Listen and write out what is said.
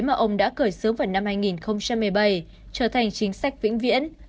mà ông đã cởi sớm vào năm hai nghìn một mươi bảy trở thành chính sách vĩnh viễn